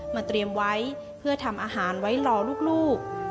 เตรียมไว้เพื่อทำอาหารไว้รอลูก